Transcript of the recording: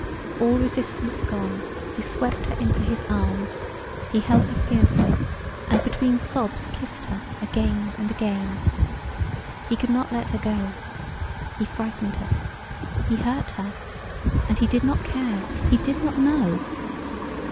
All resistance gone, he swept her into his arms; he held her fiercely, and between sobs kissed her again and again. He could not let her go. He frightened her. He hurt her. And he did not care he did not know.